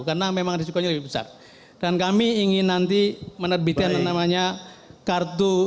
karena memang disikunya besar dan kami ingin nanti menerbitkan namanya kartu